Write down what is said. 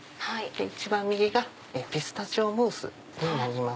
一番右がピスタチオムースになります。